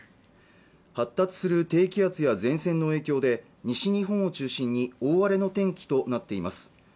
発達する低気圧や前線の影響で西日本を中心に大荒れの天気となっています